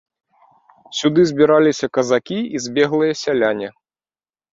Сюды збіраліся казакі і збеглыя сяляне.